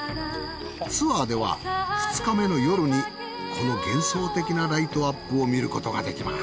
ツアーでは２日目の夜にこの幻想的なライトアップを見ることができます。